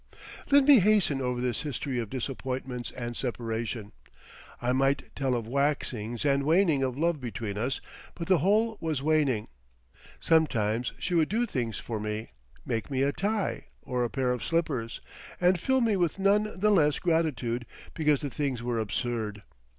Let me hasten over this history of disappointments and separation. I might tell of waxings and waning of love between us, but the whole was waning. Sometimes she would do things for me, make me a tie or a pair of slippers, and fill me with none the less gratitude because the things were absurd.